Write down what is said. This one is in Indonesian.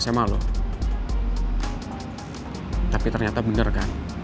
pak makasih ya pak